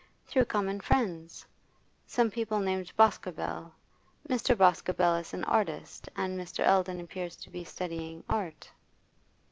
'Through common friends some people named Boscobel. Mr. Boscobel is an artist, and Mr. Eldon appears to be studying art.